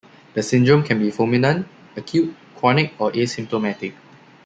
The syndrome can be fulminant, acute, chronic, or asymptomatic.